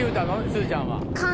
すずちゃんは。